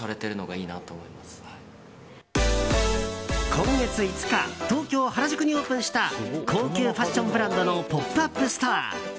今月５日東京・原宿にオープンした高級ファッションブランドのポップアップストア。